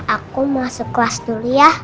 aku masuk kelas dulu ya